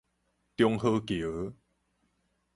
中和橋